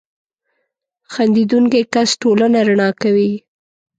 • خندېدونکی کس ټولنه رڼا کوي.